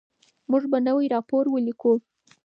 موږ به نوی راپور ولیکو.